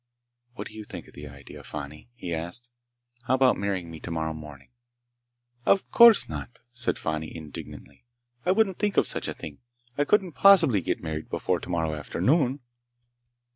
"What do you think of the idea, Fani?" he asked. "How about marrying me tomorrow morning?" "Of course not!" said Fani indignantly. "I wouldn't think of such a thing! I couldn't possibly get married before tomorrow afternoon!"